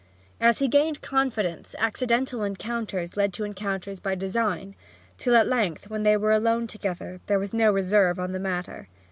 As he gained confidence accidental encounters led to encounters by design; till at length when they were alone together there was no reserve on the matter.